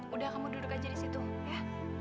udah kamu duduk aja di situ ya